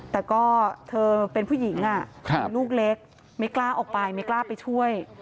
แต่ก็เธอเป็นผู้หญิงเป็นลูกเล็กไม่กล้าออกไปไม่กล้าไปช่วย